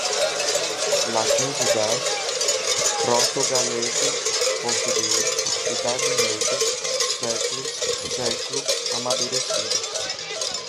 latim vulgar, proto-galego-português, Idade Média, séculos, século, amadurecida